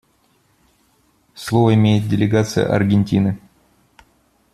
Слово имеет делегация Аргентины.